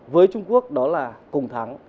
với trung quốc đó là cùng thắng